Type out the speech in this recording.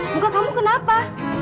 enggak kamu kenapa